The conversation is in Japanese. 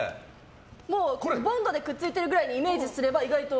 ボンドでくっついてるくらいにイメージすれば、意外と。